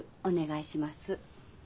お願いします。